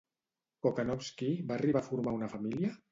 Kochanowski va arribar a formar una família?